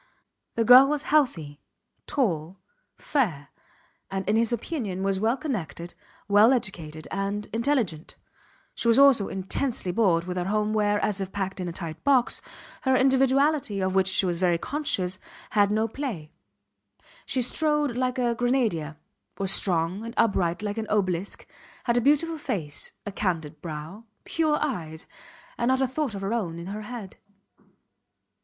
The girl was healthy, tall, fair, and in his opinion was well connected, well educated and intelligent. She was also intensely bored with her home where, as if packed in a tight box, her individuality of which she was very conscious had no play. She strode like a grenadier, was strong and upright like an obelisk, had a beautiful face, a candid brow, pure eyes, and not a thought of her own in her head.